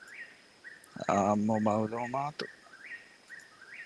އާންމު މަޢުލޫމާތު